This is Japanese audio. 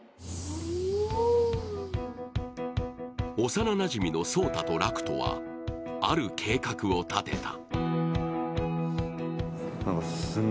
幼なじみの草太と楽人は、ある計画を立てた。